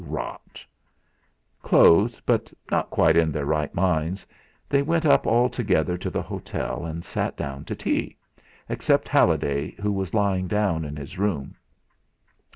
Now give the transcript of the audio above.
"Rot!" Clothed, but not quite in their right minds, they went up all together to the hotel and sat down to tea, except Halliday, who was lying down in his room.